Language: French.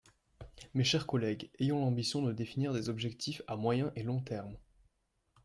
Mes chers collègues, ayons l’ambition de définir des objectifs à moyen et long terme.